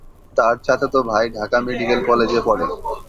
তার চাচাতো ভাই ঢাকা মেডিকেল কলেজে পড়ে।